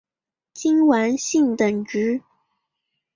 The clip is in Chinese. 金丸信等职。